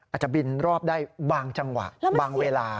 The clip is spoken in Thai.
อาจจะบินรอบได้บางจังหวะบางเวลา